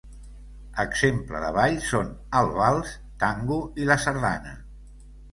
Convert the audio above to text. Exemple de ball són el vals, tango, i la sardana.